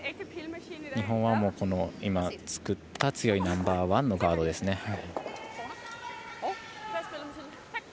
日本は今、作った強いナンバーワンのガードですね。